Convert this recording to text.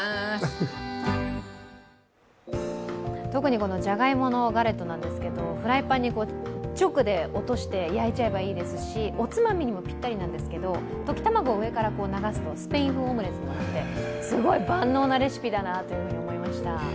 特にこのジャガイモのガレットですけどもフライパンに直で落として焼いちゃえばいいですし、おつまみにもピッタリなんですけど溶き卵を上から流すとスペイン風オムレツになってすごい万能なレシピだなと思いました。